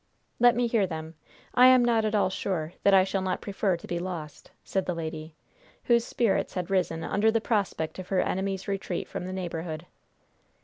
"Let me hear them. I am not at all sure that I shall not prefer to be lost," said the lady, whose spirits had risen under the prospect of her enemy's retreat from the neighborhood.